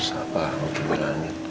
sabar mau ke belakangin